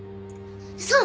そう！